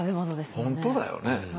本当だよね。